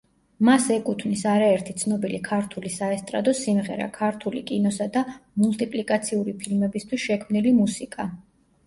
მას ეკუთვნის არაერთი ცნობილი ქართული საესტრადო სიმღერა, ქართული კინოსა და მულტიპლიკაციური ფილმებისთვის შექმნილი მუსიკა.